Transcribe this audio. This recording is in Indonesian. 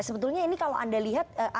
sebetulnya ini kalau anda lihat